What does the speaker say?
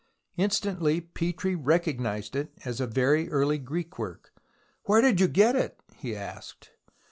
Instantly Petrie recognized it as a very early Greek work. " Where did you get it ?" he asked.